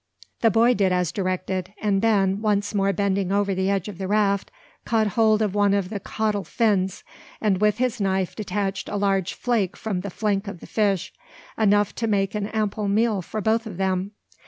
The boy did as directed; and Ben, once more bending over the edge of the raft, caught hold of one of the caudal fins, and with his knife detached a large flake from the flank of the fish, enough to make an ample meal for both of them.